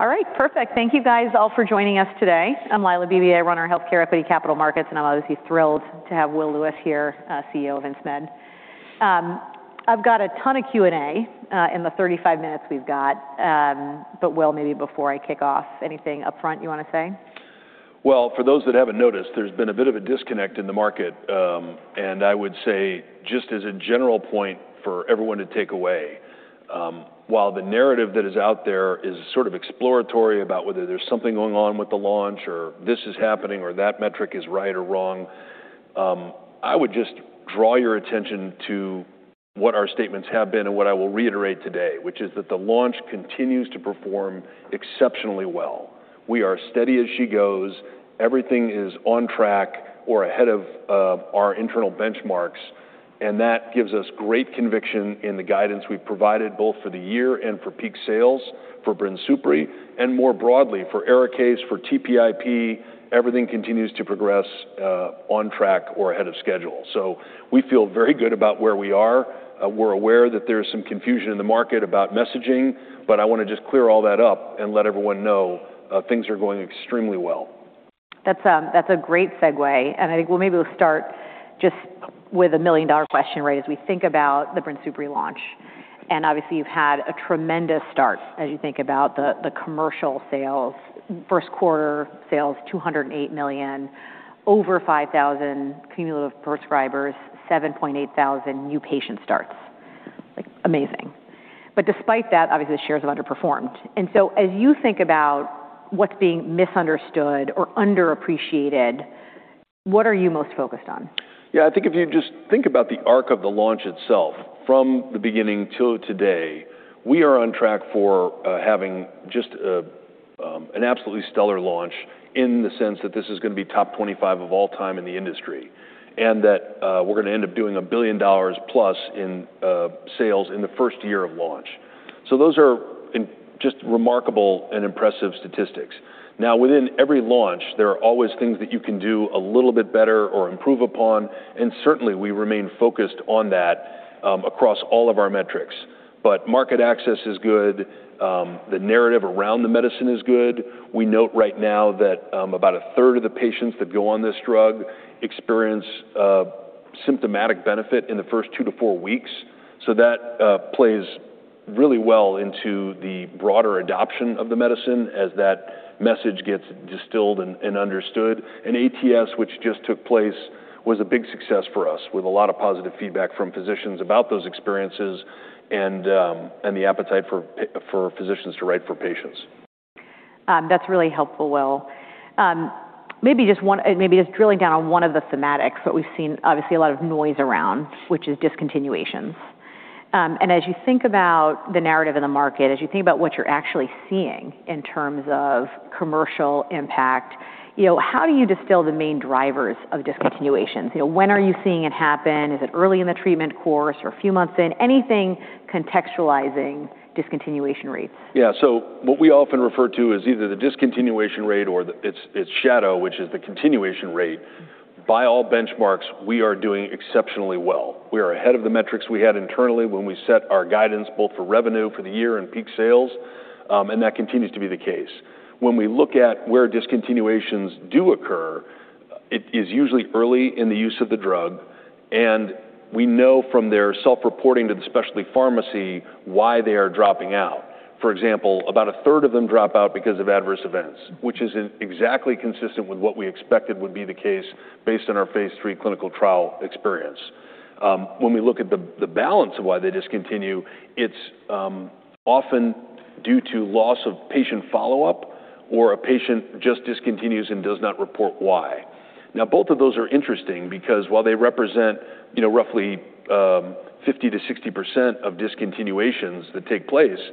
All right, perfect. Thank you, guys, all for joining us today. I'm Lyla Bibi. I run our Healthcare Equity Capital Markets, and I'm obviously thrilled to have Will Lewis here, CEO of Insmed. I've got a ton of Q&A in the 35 minutes we've got, but Will, maybe before I kick off, anything upfront you want to say? Well, for those that haven't noticed, there's been a bit of a disconnect in the market. I would say, just as a general point for everyone to take away, while the narrative that is out there is sort of exploratory about whether there's something going on with the launch or this is happening or that metric is right or wrong, I would just draw your attention to what our statements have been and what I will reiterate today, which is that the launch continues to perform exceptionally well. We are steady as she goes. Everything is on track or ahead of our internal benchmarks, and that gives us great conviction in the guidance we've provided both for the year and for peak sales for BRINSUPRI, and more broadly for ARIKAYCE, for TPIP. Everything continues to progress on track or ahead of schedule. We feel very good about where we are. We're aware that there is some confusion in the market about messaging, but I want to just clear all that up and let everyone know that things are going extremely well. That's a great segue. I think, well, maybe we'll start just with a million-dollar question, right? As we think about the BRINSUPRI launch, and obviously you've had a tremendous start as you think about the commercial sales, first quarter sales, $208 million, over 5,000 cumulative prescribers, 7,800 new patient starts. Like, amazing. Despite that, obviously, the shares have underperformed. As you think about what's being misunderstood or underappreciated, what are you most focused on? Yeah, I think if you just think about the arc of the launch itself from the beginning till today, we are on track for having just an absolutely stellar launch in the sense that this is going to be top 25 of all time in the industry, and that we're going to end up doing $1 billion+ in sales in the first year of launch. Those are just remarkable and impressive statistics. Now, within every launch, there are always things that you can do a little bit better or improve upon, and certainly, we remain focused on that across all of our metrics. Market access is good. The narrative around the medicine is good. We note right now that about 1/3 of the patients that go on this drug experience a symptomatic benefit in the first two to four weeks. That plays really well into the broader adoption of the medicine as that message gets distilled and understood. And ATS, which just took place, was a big success for us with a lot of positive feedback from physicians about those experiences and the appetite for physicians to write for patients. That's really helpful, Will. Maybe just drilling down on one of the thematics that we've seen, obviously a lot of noise around, which is discontinuations. As you think about the narrative in the market, as you think about what you're actually seeing in terms of commercial impact, how do you distill the main drivers of discontinuations? When are you seeing it happen? Is it early in the treatment course or a few months in? Anything contextualizing discontinuation rates. Yeah. What we often refer to is either the discontinuation rate or its shadow, which is the continuation rate, by all benchmarks, we are doing exceptionally well. We are ahead of the metrics we had internally when we set our guidance both for revenue for the year and peak sales, and that continues to be the case. When we look at where discontinuations do occur, it is usually early in the use of the drug, and we know from their self-reporting to the specialty pharmacy why they are dropping out. For example, about 1/3 of them drop out because of adverse events, which is exactly consistent with what we expected would be the case based on our phase III clinical trial experience. When we look at the balance of why they discontinue, it's often due to loss of patient follow-up or a patient just discontinues and does not report why. Both of those are interesting because while they represent roughly 50%-60% of discontinuations that take place,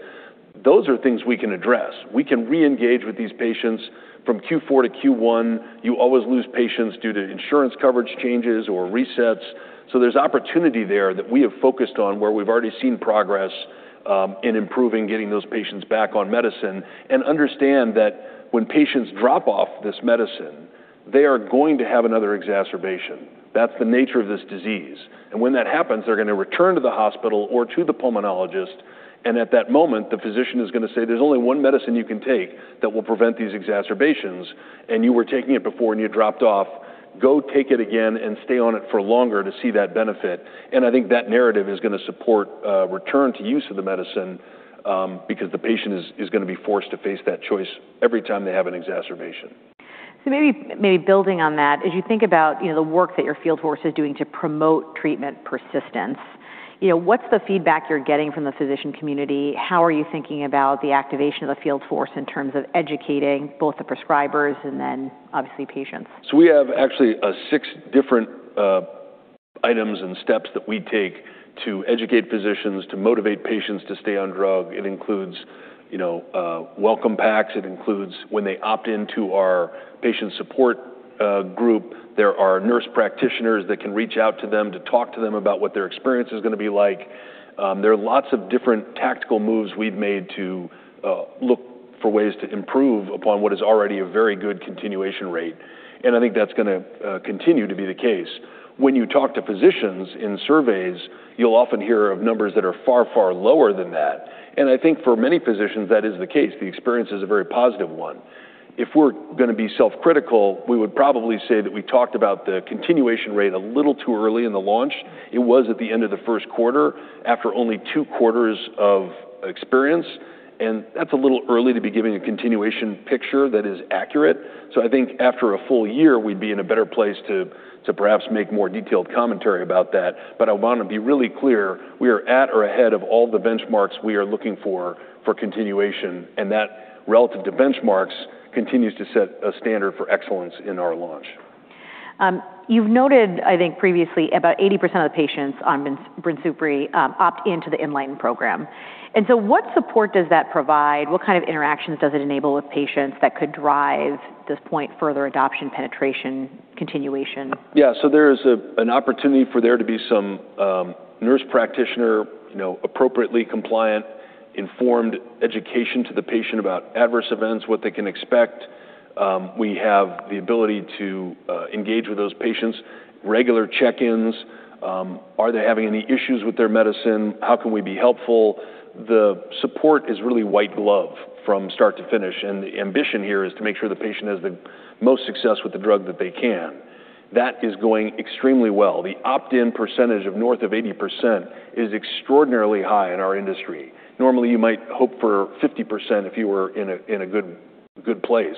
those are things we can address. We can reengage with these patients from Q4 to Q1. You always lose patients due to insurance coverage changes or resets. There's opportunity there that we have focused on where we've already seen progress in improving getting those patients back on medicine and understand that when patients drop off this medicine, they are going to have another exacerbation. That's the nature of this disease. When that happens, they're going to return to the hospital or to the pulmonologist, and at that moment, the physician is going to say, "There's only one medicine you can take that will prevent these exacerbations, and you were taking it before, and you dropped off. Go take it again and stay on it for longer to see that benefit." I think that narrative is going to support a return to use of the medicine because the patient is going to be forced to face that choice every time they have an exacerbation. Maybe building on that, as you think about the work that your field force is doing to promote treatment persistence, what's the feedback you're getting from the physician community? How are you thinking about the activation of the field force in terms of educating both the prescribers and then obviously patients? We have actually six different items and steps that we take to educate physicians, to motivate patients to stay on drug. It includes welcome packs. It includes when they opt into our patient support group, there are nurse practitioners that can reach out to them to talk to them about what their experience is going to be like. There are lots of different tactical moves we've made to look for ways to improve upon what is already a very good continuation rate. I think that's going to continue to be the case. When you talk to physicians in surveys, you'll often hear of numbers that are far, far lower than that. I think for many physicians, that is the case. The experience is a very positive one. If we're going to be self-critical, we would probably say that we talked about the continuation rate a little too early in the launch. It was at the end of the first quarter, after only two quarters of experience, and that's a little early to be giving a continuation picture that is accurate. I think after a full year, we'd be in a better place to perhaps make more detailed commentary about that. I want to be really clear, we are at or ahead of all the benchmarks we are looking for for continuation, and that, relative to benchmarks, continues to set a standard for excellence in our launch. You've noted, I think previously, about 80% of the patients on BRINSUPRI opt into the inLighten program. What support does that provide? What kind of interactions does it enable with patients that could drive this point further, adoption, penetration, continuation? There's an opportunity for there to be some nurse practitioner appropriately compliant, informed education to the patient about adverse events, what they can expect. We have the ability to engage with those patients, regular check-ins. Are they having any issues with their medicine? How can we be helpful? The support is really white glove from start to finish, and the ambition here is to make sure the patient has the most success with the drug that they can. That is going extremely well. The opt-in percentage of north of 80% is extraordinarily high in our industry. Normally, you might hope for 50% if you were in a good place.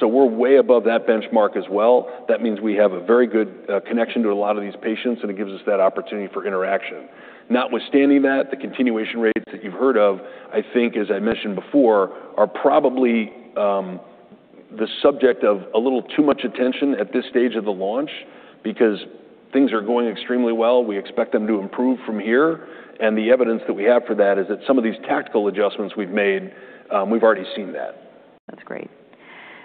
We're way above that benchmark as well. That means we have a very good connection to a lot of these patients, and it gives us that opportunity for interaction. Notwithstanding that, the continuation rates that you've heard of, I think, as I mentioned before, are probably the subject of a little too much attention at this stage of the launch because things are going extremely well. We expect them to improve from here, and the evidence that we have for that is that some of these tactical adjustments we've made, we've already seen that. That's great.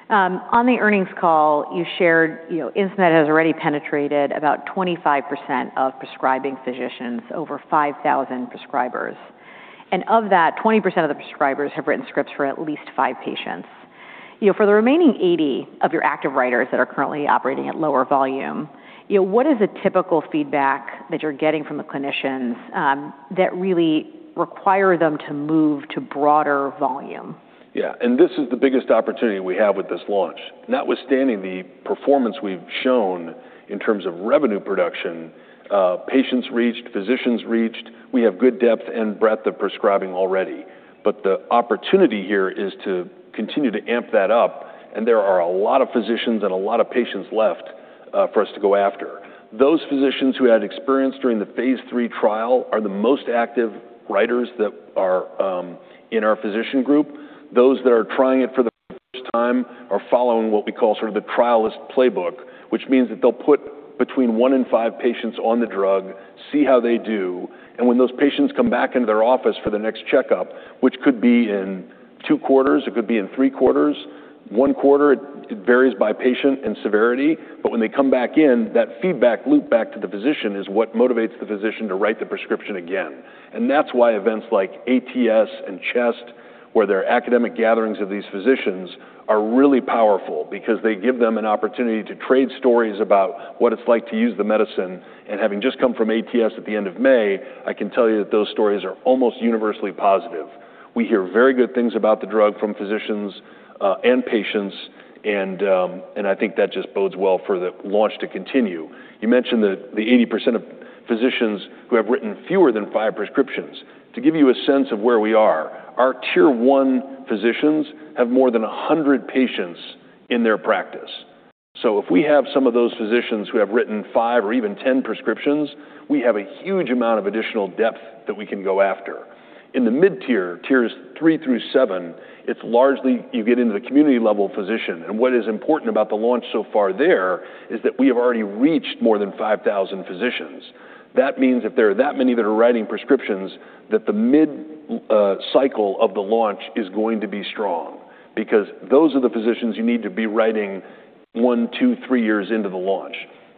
On the earnings call you shared, Insmed has already penetrated about 25% of prescribing physicians, over 5,000 prescribers, and of that, 20% of the prescribers have written scripts for at least five patients. For the remaining 80% of your active writers that are currently operating at lower volume, what is a typical feedback that you're getting from the clinicians that really require them to move to broader volume? This is the biggest opportunity we have with this launch. Notwithstanding the performance we've shown in terms of revenue production, patients reached, physicians reached, we have good depth and breadth of prescribing already. The opportunity here is to continue to amp that up. There are a lot of physicians and a lot of patients left for us to go after. Those physicians who had experience during the phase III trial are the most active writers that are in our physician group. Those that are trying it for the first time are following what we call sort of the trialist playbook, which means that they'll put between one and five patients on the drug, see how they do, and when those patients come back into their office for the next checkup, which could be in two quarters, it could be in three quarters, one quarter, it varies by patient and severity, but when they come back in, that feedback loop back to the physician is what motivates the physician to write the prescription again. That's why events like ATS and CHEST, where there are academic gatherings of these physicians, are really powerful because they give them an opportunity to trade stories about what it's like to use the medicine. Having just come from ATS at the end of May, I can tell you that those stories are almost universally positive. We hear very good things about the drug from physicians and patients, and I think that just bodes well for the launch to continue. You mentioned that the 80% of physicians who have written fewer than five prescriptions. To give you a sense of where we are, our Tier 1 physicians have more than 100 patients in their practice. If we have some of those physicians who have written five or even 10 prescriptions, we have a huge amount of additional depth that we can go after. In the mid-tier, Tiers 3 through 7, it's largely you get into the community-level physician. What is important about the launch so far there is that we have already reached more than 5,000 physicians. That means that there are that many that are writing prescriptions that the mid-cycle of the launch is going to be strong because those are the physicians you need to be writing one, two, three years into the launch.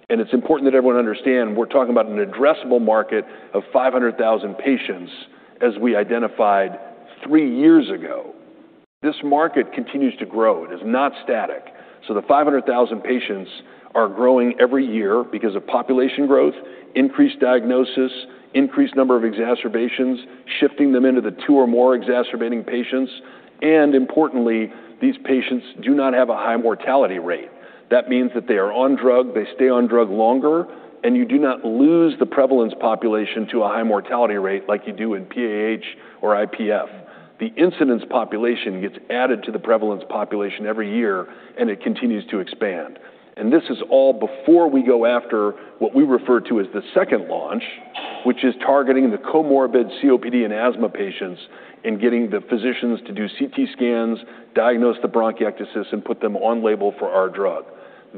It's important that everyone understand we're talking about an addressable market of 500,000 patients as we identified three years ago. This market continues to grow. It is not static. The 500,000 patients are growing every year because of population growth, increased diagnosis, increased number of exacerbations, shifting them into the two or more exacerbating patients, and importantly, these patients do not have a high mortality rate. That means that they are on drug, they stay on drug longer, and you do not lose the prevalence population to a high mortality rate like you do in PAH or IPF. The incidence population gets added to the prevalence population every year and it continues to expand. This is all before we go after what we refer to as the second launch, which is targeting the comorbid COPD and asthma patients and getting the physicians to do CT scans, diagnose the bronchiectasis, and put them on label for our drug.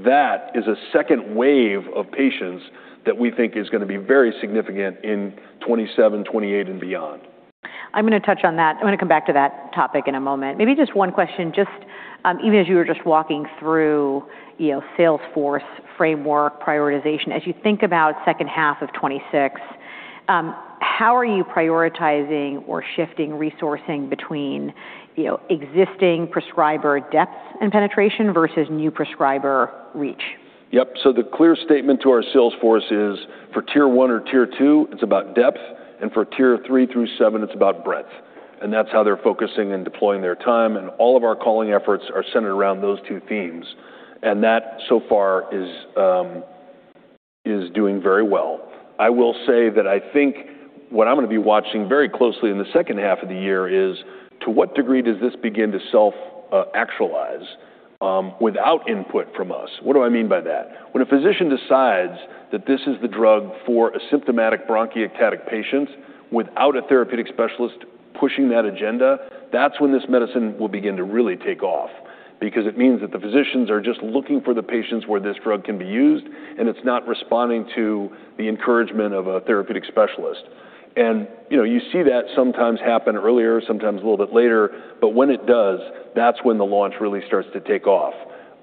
That is a second wave of patients that we think is going to be very significant in 2027, 2028, and beyond. I'm going to touch on that. I'm going to come back to that topic in a moment. Maybe just one question. Even as you were just walking through sales force framework prioritization, as you think about second half of 2026, how are you prioritizing or shifting resourcing between existing prescriber depth and penetration versus new prescriber reach? Yep. The clear statement to our sales force is for Tier 1 or Tier 2, it's about depth, and for Tier 3 through Tier 7, it's about breadth. That's how they're focusing and deploying their time, and all of our calling efforts are centered around those two themes. That so far is doing very well. I will say that I think what I'm going to be watching very closely in the second half of the year is to what degree does this begin to self-actualize without input from us? What do I mean by that? When a physician decides that this is the drug for asymptomatic bronchiectasis patients without a therapeutic specialist pushing that agenda, that's when this medicine will begin to really take off, because it means that the physicians are just looking for the patients where this drug can be used, and it's not responding to the encouragement of a therapeutic specialist. You see that sometimes happen earlier, sometimes a little bit later, but when it does, that's when the launch really starts to take off.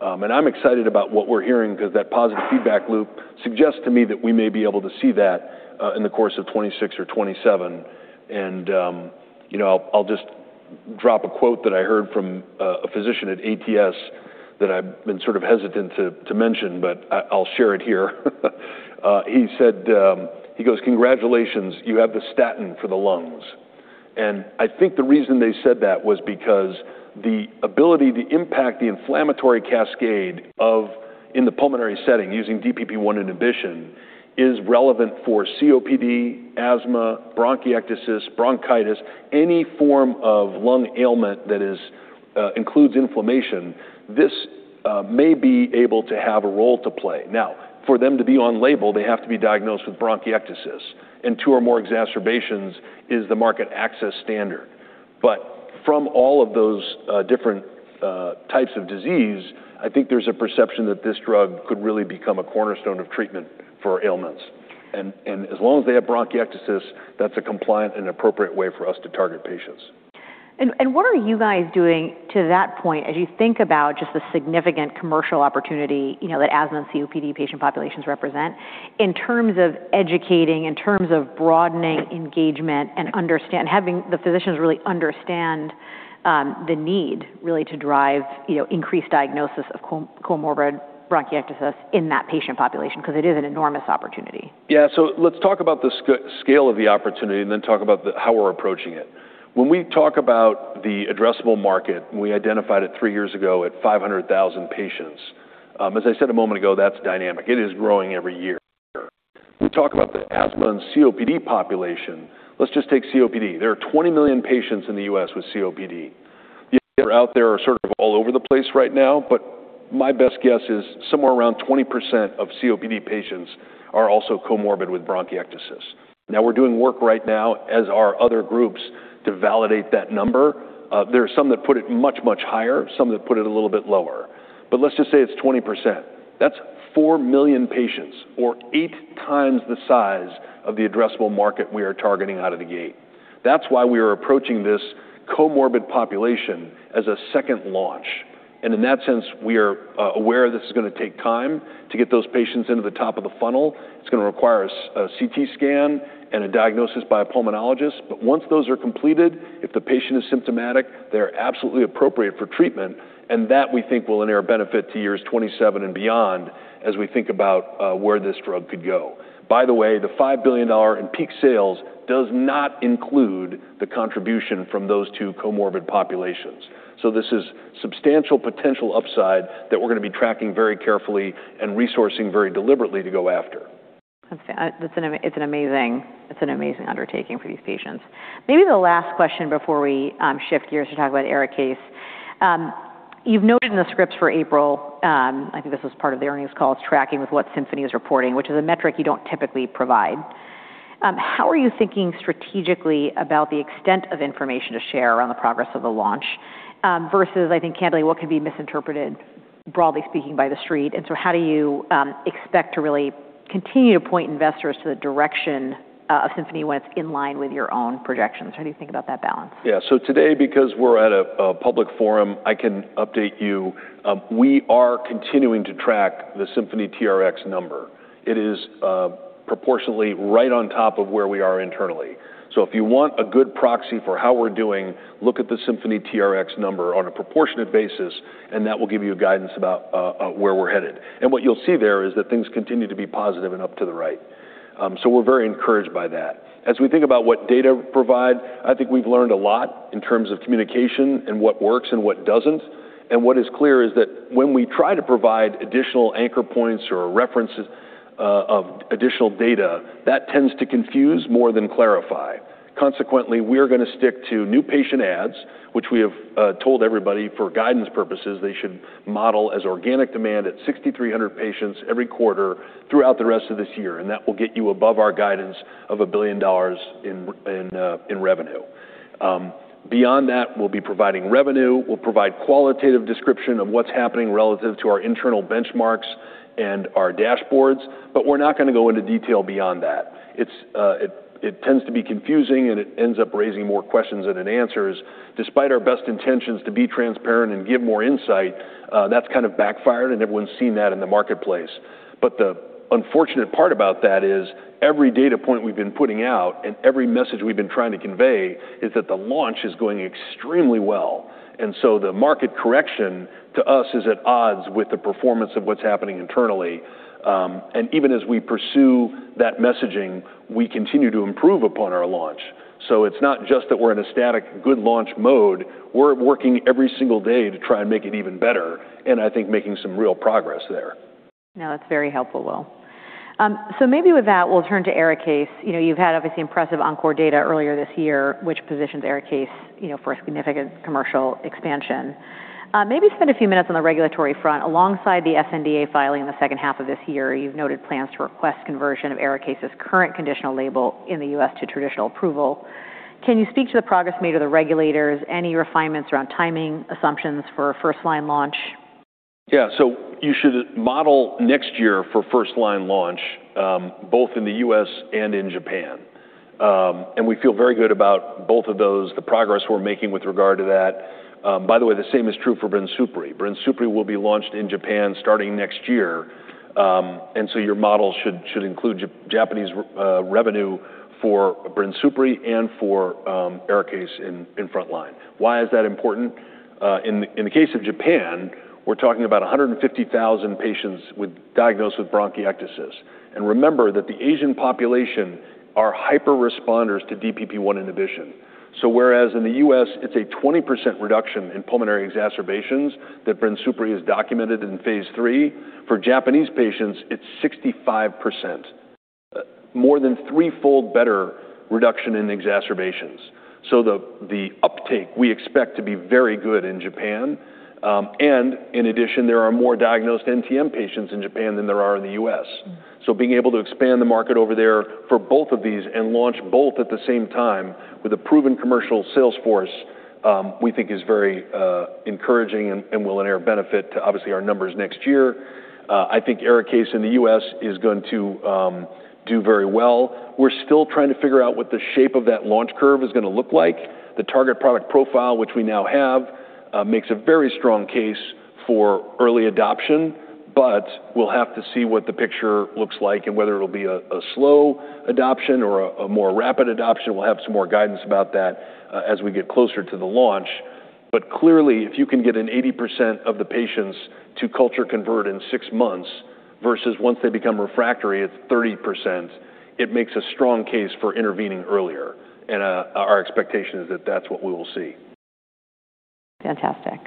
I'm excited about what we're hearing because that positive feedback loop suggests to me that we may be able to see that in the course of 2026 or 2027. I'll just drop a quote that I heard from a physician at ATS that I've been sort of hesitant to mention, but I'll share it here. He goes, "Congratulations, you have the statin for the lungs." I think the reason they said that was because the ability to impact the inflammatory cascade in the pulmonary setting using DPP1 inhibition is relevant for COPD, asthma, bronchiectasis, bronchitis, any form of lung ailment that includes inflammation. This may be able to have a role to play. Now, for them to be on label, they have to be diagnosed with bronchiectasis, and two or more exacerbations is the market access standard. From all of those different types of disease, I think there's a perception that this drug could really become a cornerstone of treatment for ailments. As long as they have bronchiectasis, that's a compliant and appropriate way for us to target patients. What are you guys doing, to that point, as you think about just the significant commercial opportunity that asthma and COPD patient populations represent, in terms of educating, in terms of broadening engagement and having the physicians really understand the need, really, to drive increased diagnosis of comorbid bronchiectasis in that patient population? Because it is an enormous opportunity. Yeah. Let's talk about the scale of the opportunity and then talk about how we're approaching it. When we talk about the addressable market, we identified it three years ago at 500,000 patients. As I said a moment ago, that's dynamic. It is growing every year. We talk about the asthma and COPD population. Let's just take COPD. There are 20 million patients in the U.S. with COPD. The numbers out there are sort of all over the place right now, but my best guess is somewhere around 20% of COPD patients are also comorbid with bronchiectasis. Now, we're doing work right now, as are other groups, to validate that number. There are some that put it much, much higher, some that put it a little bit lower. Let's just say it's 20%. That's 4 million patients or eight times the size of the addressable market we are targeting out of the gate. That's why we are approaching this comorbid population as a second launch. In that sense, we are aware this is going to take time to get those patients into the top of the funnel. It's going to require a CT scan and a diagnosis by a pulmonologist. Once those are completed, if the patient is symptomatic, they are absolutely appropriate for treatment, and that we think will inure benefit to years 2027 and beyond as we think about where this drug could go. By the way, the $5 billion in peak sales does not include the contribution from those two comorbid populations. This is substantial potential upside that we're going to be tracking very carefully and resourcing very deliberately to go after. It's an amazing undertaking for these patients. Maybe the last question before we shift gears to talk about ARIKAYCE. You've noted in the scripts for April, I think this was part of the earnings call, it's tracking with what Symphony is reporting, which is a metric you don't typically provide. How are you thinking strategically about the extent of information to share around the progress of the launch? Versus, I think candidly, what could be misinterpreted, broadly speaking, by The Street, and how do you expect to really continue to point investors to the direction of Symphony when it's in line with your own projections? How do you think about that balance? Today, because we're at a public forum, I can update you. We are continuing to track the Symphony TRX number. It is proportionately right on top of where we are internally. If you want a good proxy for how we're doing, look at the Symphony TRX number on a proportionate basis, and that will give you guidance about where we're headed. What you'll see there is that things continue to be positive and up to the right. We're very encouraged by that. As we think about what data provide, I think we've learned a lot in terms of communication and what works and what doesn't. What is clear is that when we try to provide additional anchor points or references of additional data, that tends to confuse more than clarify. Consequently, we are going to stick to new patient adds, which we have told everybody for guidance purposes they should model as organic demand at 6,300 patients every quarter throughout the rest of this year, and that will get you above our guidance of $1 billion in revenue. Beyond that, we'll be providing revenue. We'll provide qualitative description of what's happening relative to our internal benchmarks and our dashboards, but we're not going to go into detail beyond that. It tends to be confusing, and it ends up raising more questions than it answers. Despite our best intentions to be transparent and give more insight, that's kind of backfired, and everyone's seen that in the marketplace. The unfortunate part about that is every data point we've been putting out and every message we've been trying to convey is that the launch is going extremely well. The market correction to us is at odds with the performance of what's happening internally. Even as we pursue that messaging, we continue to improve upon our launch. It's not just that we're in a static good launch mode. We're working every single day to try and make it even better, and I think making some real progress there. No, that's very helpful, Will. Maybe with that, we'll turn to ARIKAYCE. You've had obviously impressive ENCORE data earlier this year, which positions ARIKAYCE for a significant commercial expansion. Maybe spend a few minutes on the regulatory front alongside the sNDA filing in the second half of this year. You've noted plans to request conversion of ARIKAYCE's current conditional label in the U.S. to traditional approval. Can you speak to the progress made or the regulators, any refinements around timing assumptions for a first-line launch? Yeah. You should model next year for first-line launch, both in the U.S. and in Japan. We feel very good about both of those, the progress we're making with regard to that. By the way, the same is true for BRINSUPRI. BRINSUPRI will be launched in Japan starting next year, and so your model should include Japanese revenue for BRINSUPRI and for ARIKAYCE in frontline. Why is that important? In the case of Japan, we're talking about 150,000 patients diagnosed with bronchiectasis. Remember that the Asian population are hyper-responders to DPP1 inhibition. Whereas in the U.S., it's a 20% reduction in pulmonary exacerbations that BRINSUPRI has documented in phase III, for Japanese patients, it's 65%, more than threefold better reduction in exacerbations. The uptake we expect to be very good in Japan. In addition, there are more diagnosed NTM patients in Japan than there are in the U.S. Being able to expand the market over there for both of these and launch both at the same time with a proven commercial sales force, we think is very encouraging and will in our benefit to obviously our numbers next year. I think ARIKAYCE in the U.S. is going to do very well. We're still trying to figure out what the shape of that launch curve is going to look like. The target product profile, which we now have makes a very strong case for early adoption, but we'll have to see what the picture looks like and whether it'll be a slow adoption or a more rapid adoption. We'll have some more guidance about that as we get closer to the launch. Clearly, if you can get an 80% of the patients to culture convert in six months versus once they become refractory at 30%, it makes a strong case for intervening earlier. Our expectation is that that's what we will see. Fantastic.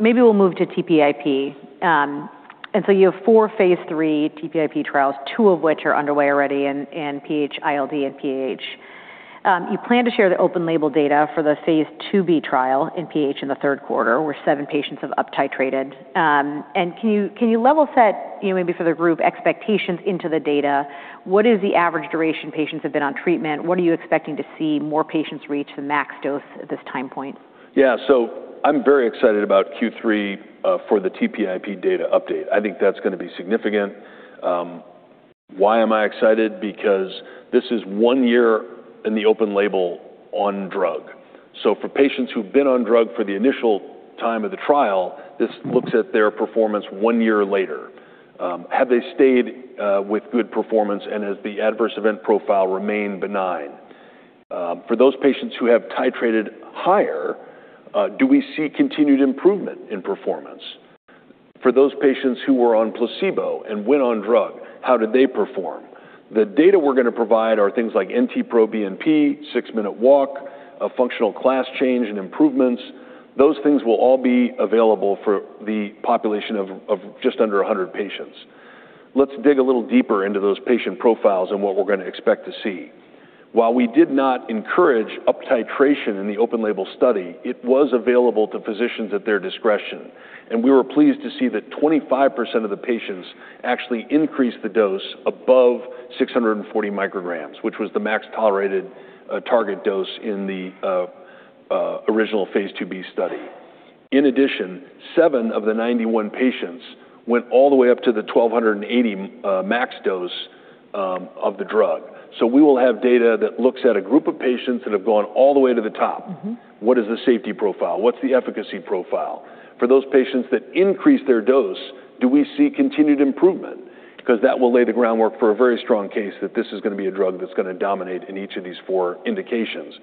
Maybe we'll move to TPIP. You have four phase III TPIP trials, two of which are underway already in PH-ILD and PAH. You plan to share the open-label data for the phase II-B trial in PAH in the third quarter, where seven patients have uptitrated. Can you level set, maybe for the group, expectations into the data? What is the average duration patients have been on treatment? What are you expecting to see more patients reach the max dose at this time point? Yeah. I'm very excited about Q3 for the TPIP data update. I think that's going to be significant. Why am I excited? Because this is one year in the open label on drug. For patients who've been on drug for the initial time of the trial, this looks at their performance one year later. Have they stayed with good performance, and has the adverse event profile remained benign? For those patients who have titrated higher, do we see continued improvement in performance? For those patients who were on placebo and went on drug, how did they perform? The data we're going to provide are things like NT-proBNP, six-minute walk, a functional class change and improvements. Those things will all be available for the population of just under 100 patients. Let's dig a little deeper into those patient profiles and what we're going to expect to see. While we did not encourage uptitration in the open-label study, it was available to physicians at their discretion, and we were pleased to see that 25% of the patients actually increased the dose above 640 µg, which was the max tolerated target dose in the original phase II-B study. In addition, seven of the 91 patients went all the way up to the 1,280-µg max dose of the drug. We will have data that looks at a group of patients that have gone all the way to the top. What is the safety profile? What's the efficacy profile? For those patients that increase their dose, do we see continued improvement? That will lay the groundwork for a very strong case that this is going to be a drug that's going to dominate in each of these four indications.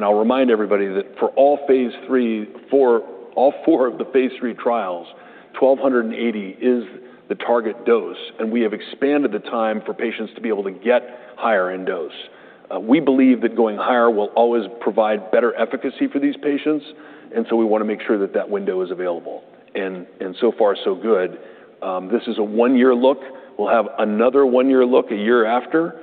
I'll remind everybody that for all four of the phase III trials, 1,280 µg is the target dose, and we have expanded the time for patients to be able to get higher in dose. We believe that going higher will always provide better efficacy for these patients, and so we want to make sure that that window is available. So far, so good. This is a one-year look. We'll have another one-year look a year after,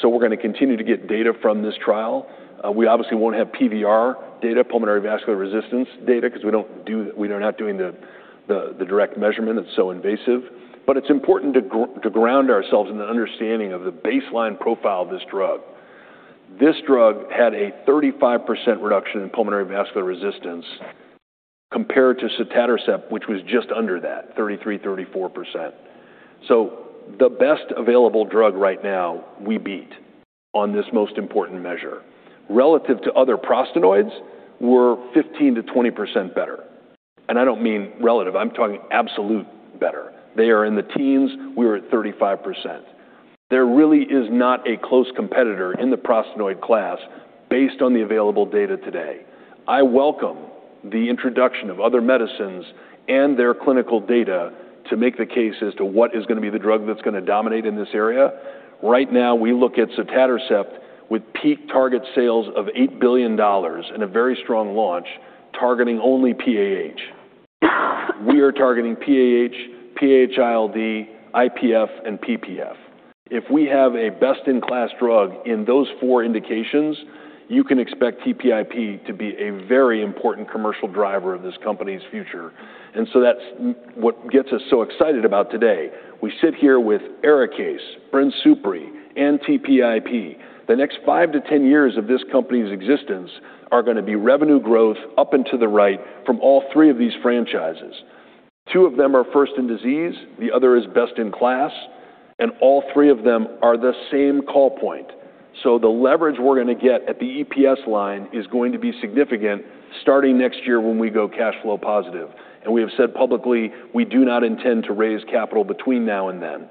so we're going to continue to get data from this trial. We obviously won't have PVR data, pulmonary vascular resistance data, because we're not doing the direct measurement. It's so invasive. But it's important to ground ourselves in the understanding of the baseline profile of this drug. This drug had a 35% reduction in pulmonary vascular resistance compared to sotatercept, which was just under that, 33%, 34%. The best available drug right now, we beat on this most important measure. Relative to other prostanoids, we're 15%-20% better. I don't mean relative. I'm talking absolute better. They are in the teens. We were at 35%. There really is not a close competitor in the prostanoid class based on the available data today. I welcome the introduction of other medicines and their clinical data to make the case as to what is going to be the drug that's going to dominate in this area. Right now, we look at sotatercept with peak target sales of $8 billion and a very strong launch targeting only PAH. We are targeting PAH, PH-ILD, IPF, and PPF. If we have a best-in-class drug in those four indications, you can expect TPIP to be a very important commercial driver of this company's future. That's what gets us so excited about today. We sit here with ARIKAYCE, BRINSUPRI, and TPIP. The next 5-10 years of this company's existence are going to be revenue growth up and to the right from all three of these franchises. Two of them are first in disease, the other is best in class, and all three of them are the same call point. The leverage we're going to get at the EPS line is going to be significant starting next year when we go cash flow positive. We have said publicly we do not intend to raise capital between now and then.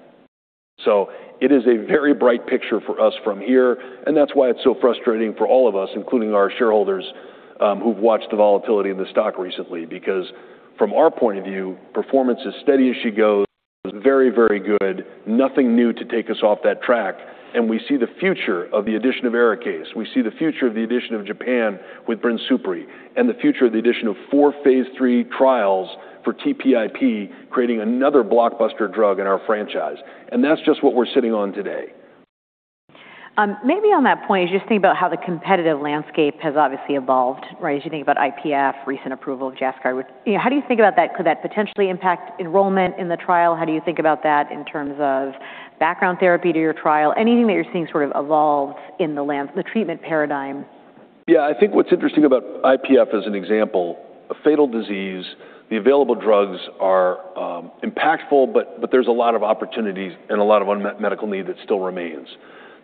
It is a very bright picture for us from here, and that's why it's so frustrating for all of us, including our shareholders, who've watched the volatility in the stock recently because from our point of view, performance is steady as she goes. Very, very good. Nothing new to take us off that track, and we see the future of the addition of ARIKAYCE. We see the future of the addition of Japan with BRINSUPRI, and the future of the addition of four phase III trials for TPIP, creating another blockbuster drug in our franchise. That's just what we're sitting on today. Maybe on that point, as you think about how the competitive landscape has obviously evolved, right? As you think about IPF, recent approval of JASCAYD. How do you think about that? Could that potentially impact enrollment in the trial? How do you think about that in terms of background therapy to your trial? Anything that you're seeing sort of evolve in the treatment paradigm? Yeah. I think what's interesting about IPF as an example, a fatal disease, the available drugs are impactful, but there's a lot of opportunities and a lot of unmet medical need that still remains.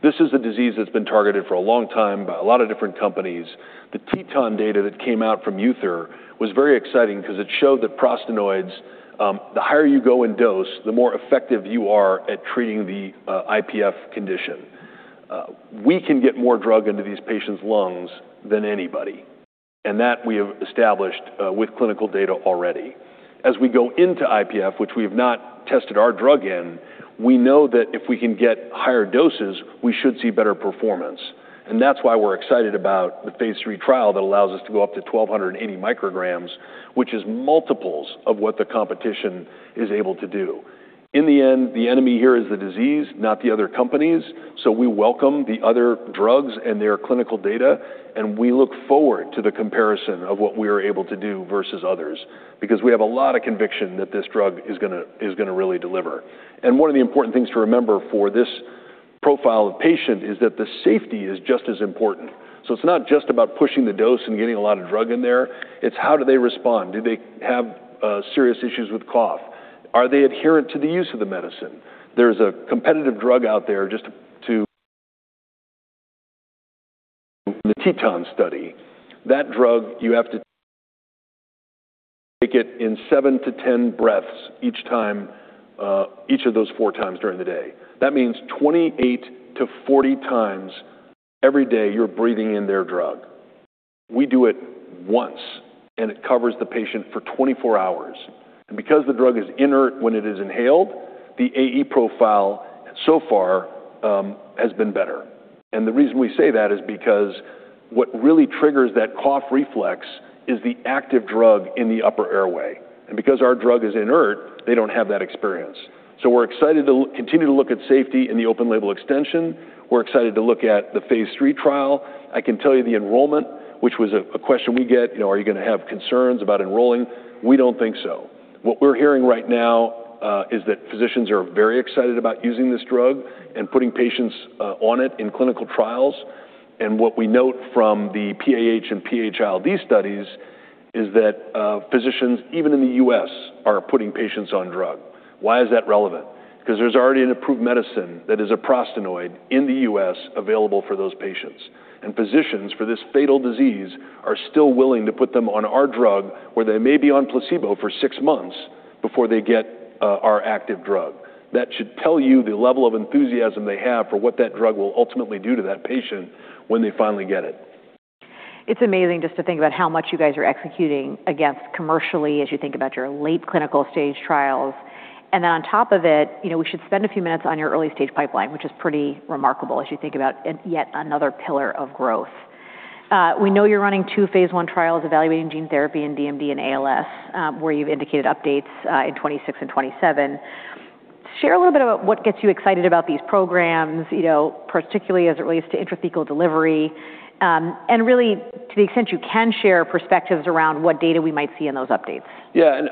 This is a disease that's been targeted for a long time by a lot of different companies. The TETON data that came out from UTHR was very exciting because it showed that prostanoids, the higher you go in dose, the more effective you are at treating the IPF condition. We can get more drug into these patients' lungs than anybody, and that we have established with clinical data already. As we go into IPF, which we have not tested our drug in, we know that if we can get higher doses, we should see better performance. That's why we're excited about the phase III trial that allows us to go up to 1,280 µg, which is multiples of what the competition is able to do. In the end, the enemy here is the disease, not the other companies, so we welcome the other drugs and their clinical data, and we look forward to the comparison of what we are able to do versus others. We have a lot of conviction that this drug is going to really deliver. One of the important things to remember for this profile of patient is that the safety is just as important. It's not just about pushing the dose and getting a lot of drug in there. It's how do they respond? Do they have serious issues with cough? Are they adherent to the use of the medicine? There's a competitive drug out there just to the TETON study. That drug you have to take it in 7-10 breaths each time, each of those four times during the day. That means 28-40 times every day you're breathing in their drug. We do it once, and it covers the patient for 24 hours. Because the drug is inert when it is inhaled, the AE profile so far has been better. The reason we say that is because what really triggers that cough reflex is the active drug in the upper airway. Because our drug is inert, they don't have that experience. We're excited to continue to look at safety in the open label extension. We're excited to look at the phase III trial. I can tell you the enrollment, which was a question we get, "Are you going to have concerns about enrolling?" We don't think so. What we're hearing right now is that physicians are very excited about using this drug and putting patients on it in clinical trials. What we note from the PAH and PH-ILD studies is that physicians, even in the U.S., are putting patients on drug. Why is that relevant? Because there's already an approved medicine that is a prostanoid in the U.S. available for those patients. Physicians for this fatal disease are still willing to put them on our drug, where they may be on placebo for six months before they get our active drug. That should tell you the level of enthusiasm they have for what that drug will ultimately do to that patient when they finally get it. It's amazing just to think about how much you guys are executing against commercially as you think about your late clinical stage trials. Then on top of it, we should spend a few minutes on your early-stage pipeline, which is pretty remarkable as you think about yet another pillar of growth. We know you're running two phase I trials evaluating gene therapy in DMD and ALS, where you've indicated updates in 2026 and 2027. Share a little bit about what gets you excited about these programs, particularly as it relates to intrathecal delivery. Really, to the extent you can share perspectives around what data we might see in those updates.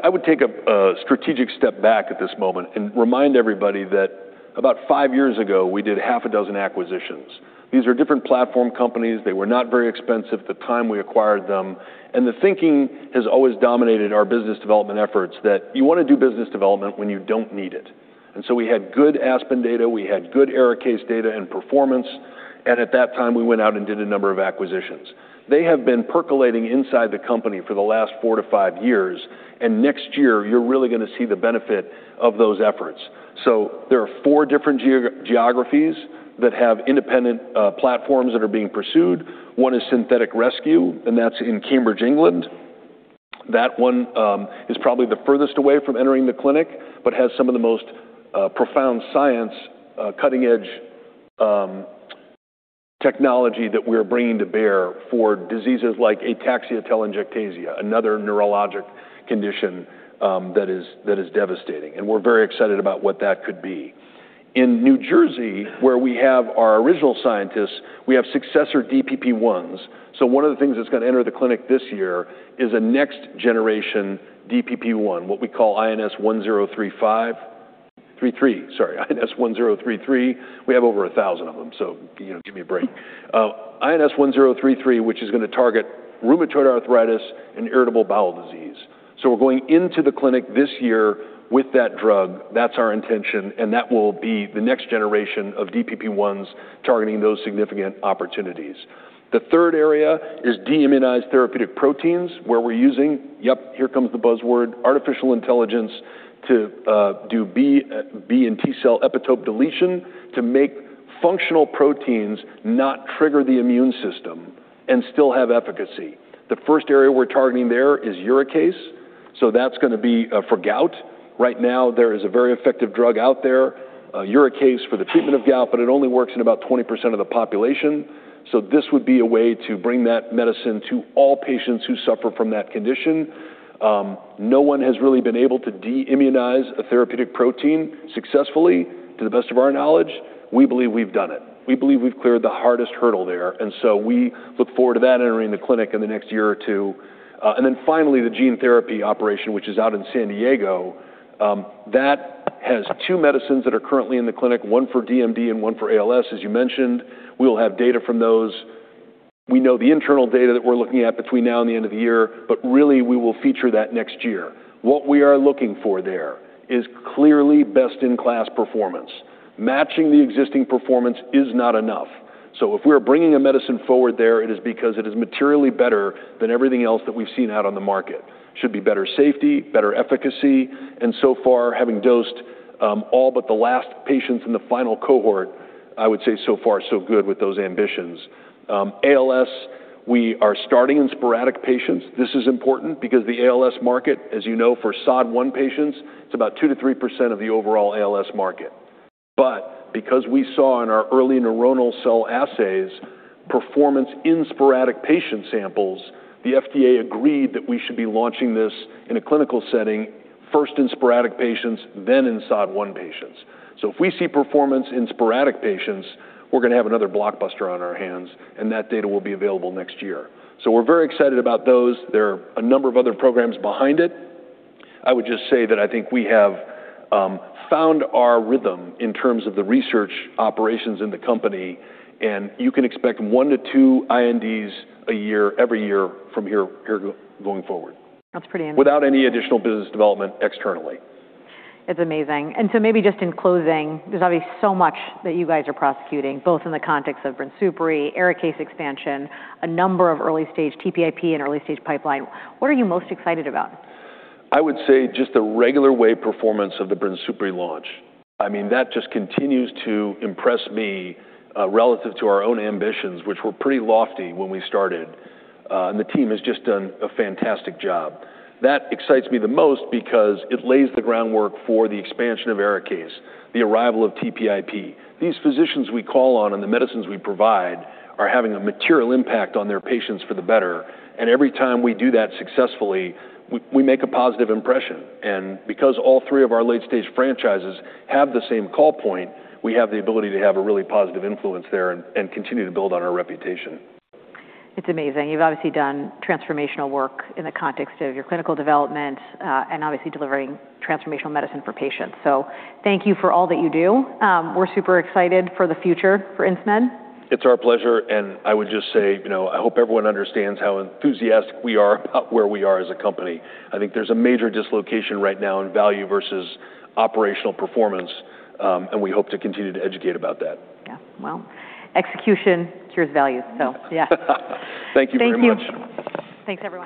I would take a strategic step back at this moment and remind everybody that about five years ago, we did half a dozen acquisitions. These are different platform companies. They were not very expensive at the time we acquired them. The thinking has always dominated our business development efforts that you want to do business development when you don't need it. We had good ASPEN data, we had good ARIKAYCE data and performance, and at that time, we went out and did a number of acquisitions. They have been percolating inside the company for the last four to five years, and next year, you're really going to see the benefit of those efforts. There are four different geographies that have independent platforms that are being pursued. One is Synthetic Rescue, and that's in Cambridge, England. That one is probably the furthest away from entering the clinic, but has some of the most profound science, cutting-edge technology that we're bringing to bear for diseases like ataxia-telangiectasia, another neurologic condition that is devastating, and we're very excited about what that could be. In New Jersey, where we have our original scientists, we have successor DPP1s. One of the things that's going to enter the clinic this year is a next generation DPP1, what we call INS1033. We have over 1,000 of them, so, give me a break. INS1033, which is going to target rheumatoid arthritis and inflammatory bowel disease, we're going into the clinic this year with that drug. That's our intention, and that will be the next generation of DPP1s targeting those significant opportunities. The third area is de-immunized therapeutic proteins where we're using, yep, here comes the buzzword, artificial intelligence to do B and T cell epitope deletion to make functional proteins not trigger the immune system and still have efficacy. The first area we're targeting there is uricase, so that's going to be for gout. Right now, there is a very effective drug out there, uricase, for the treatment of gout, but it only works in about 20% of the population, so this would be a way to bring that medicine to all patients who suffer from that condition. No one has really been able to de-immunize a therapeutic protein successfully, to the best of our knowledge. We believe we've done it. We believe we've cleared the hardest hurdle there, and so we look forward to that entering the clinic in the next year or two. Finally, the gene therapy operation, which is out in San Diego. That has two medicines that are currently in the clinic, one for DMD and one for ALS, as you mentioned. We'll have data from those. We know the internal data that we're looking at between now and the end of the year, but really, we will feature that next year. What we are looking for there is clearly best-in-class performance. Matching the existing performance is not enough. If we're bringing a medicine forward there, it is because it is materially better than everything else that we've seen out on the market. Should be better safety, better efficacy, and so far, having dosed all but the last patients in the final cohort, I would say so far so good with those ambitions. ALS, we are starting in sporadic patients. This is important because the ALS market, as you know, for SOD1 patients, it's about 2%-3% of the overall ALS market. But because we saw in our early neuronal cell assays performance in sporadic patient samples, the FDA agreed that we should be launching this in a clinical setting first in sporadic patients, then in SOD1 patients. If we see performance in sporadic patients, we're going to have another blockbuster on our hands, and that data will be available next year. We're very excited about those. There are a number of other programs behind it. I would just say that I think we have found our rhythm in terms of the research operations in the company, and you can expect one to two INDs a year every year from here going forward. That's pretty impressive. Without any additional business development externally. It's amazing. Maybe just in closing, there's obviously so much that you guys are prosecuting, both in the context of BRINSUPRI, ARIKAYCE expansion, a number of early-stage TPIP and early-stage pipeline. What are you most excited about? I would say just the regular wave performance of the BRINSUPRI launch. That just continues to impress me relative to our own ambitions, which were pretty lofty when we started. The team has just done a fantastic job. That excites me the most because it lays the groundwork for the expansion of ARIKAYCE, the arrival of TPIP. These physicians we call on and the medicines we provide are having a material impact on their patients for the better. Every time we do that successfully, we make a positive impression. Because all three of our late-stage franchises have the same call point, we have the ability to have a really positive influence there and continue to build on our reputation. It's amazing. You've obviously done transformational work in the context of your clinical development and obviously delivering transformational medicine for patients. Thank you for all that you do. We're super excited for the future for Insmed. It's our pleasure. I would just say I hope everyone understands how enthusiastic we are about where we are as a company. I think there's a major dislocation right now in value versus operational performance. We hope to continue to educate about that. Yeah. Well, execution cures value. Yeah. Thank you very much. Thank you. Thanks, everyone.